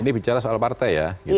ini bicara soal partai ya